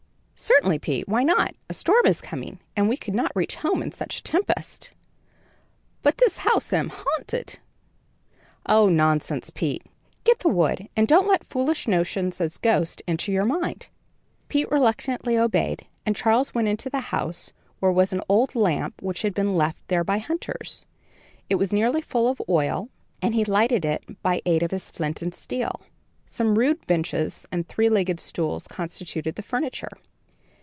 "Certainly, Pete, why not? A storm is coming, and we could not reach home in such a tempest." "But dis house am haunted." "Oh, nonsense, Pete. Get the wood, and don't let such foolish notions as ghosts enter your mind." Pete reluctantly obeyed, and Charles went into the house where was an old lamp which had been left there by hunters. It was nearly full of oil, and he lighted it by aid of his flint and steel. Some rude benches and three legged stools constituted the furniture.